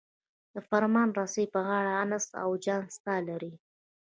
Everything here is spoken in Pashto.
د فرمان رسۍ په غاړه انس او جان ستا لري.